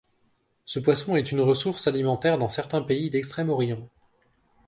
Ce poisson est une ressource alimentaire dans certains pays d'Extrême-Orient.